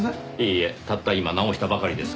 いいえたった今直したばかりです。